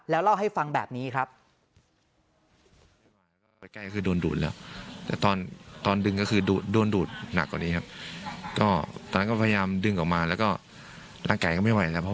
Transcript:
แล้วเล่าให้ฟังแบบนี้ครับ